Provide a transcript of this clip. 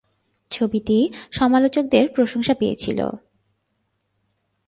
ছবিটি সমালোচকদের প্রশংসা পেয়েছিল।